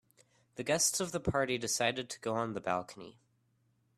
The guests of the party decided to go on the balcony.